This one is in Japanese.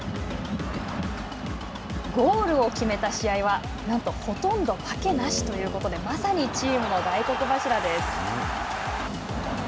ゴールを決めた試合はなんとほとんど負けなしということで、まさに大黒柱です。